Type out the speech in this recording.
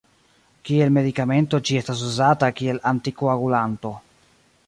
Kiel medikamento ĝi estas uzata kiel antikoagulanto.